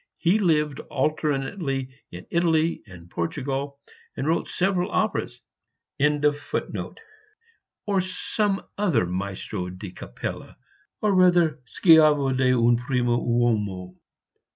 He lived alternately in Italy and Portugal, and wrote several operas.] or some other Maestro di capella, or rather schiavo d'un primo uomo."